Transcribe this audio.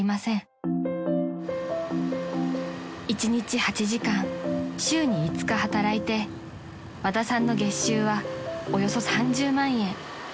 ［一日８時間週に５日働いて和田さんの月収はおよそ３０万円］